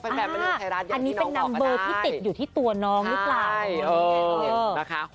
แฟนแฟนลูกไทรัสอย่างที่น้องบอกมาได้อันนี้เป็นนัมเบอร์ที่ติดอยู่ที่ตัวน้องรึเปล่า